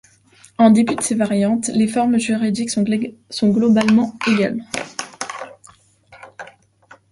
En dépit de ces variantes, les formes juridiques sont globalement égales.